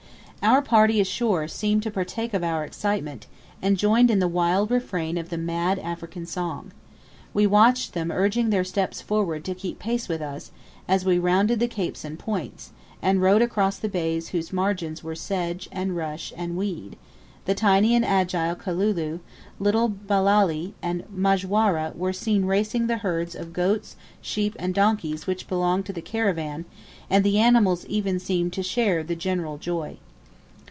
Our party ashore seemed to partake of our excitement, and joined in the wild refrain of the mad African song. We watched them urging their steps forward to keep pace with us, as we rounded the capes and points, and rowed across the bays whose margins were sedge, and rush, and reed; the tiny and agile Kalulu, little Bilali, and Majwara were seen racing the herds of goats, sheep, and donkeys which belonged to the caravan, and the animals even seemed to share the general joy.